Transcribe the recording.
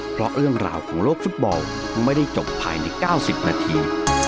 เพราะเรื่องราวของโลกฟุตบอลไม่ได้จบภายใน๙๐นาที